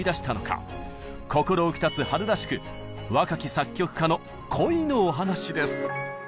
心浮き立つ春らしく「若き作曲家の恋のお話」です！